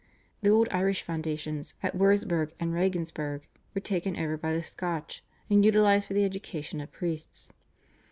The old Irish foundations at Würzburg and Regensburg were taken over by the Scotch, and utilised for the education of priests.